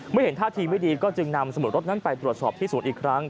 เห็นท่าทีไม่ดีก็จึงนำสมุดรถนั้นไปตรวจสอบพิสูจน์อีกครั้ง